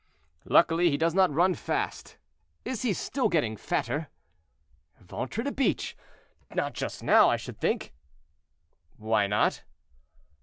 "Luckily he does not run fast. Is he still getting fatter?" "Ventre de biche! not just now, I should think." "Why not?"